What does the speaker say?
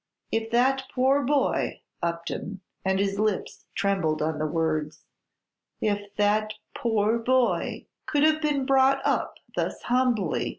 If that poor boy, Upton," and his lips trembled on the words, "if that poor boy could have been brought up thus humbly!